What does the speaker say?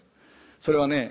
それはね